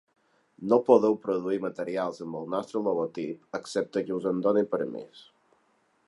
No podeu produir materials amb el nostre logotip excepte que us en doni permís.